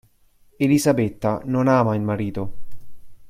Elisabetta non ama il marito.